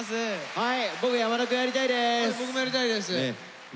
はい。